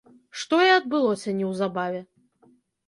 Што і адбылося неўзабаве.